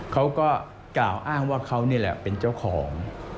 เขาก็กล่าวอ้างว่าเขานี่แหละเป็นเจ้าของ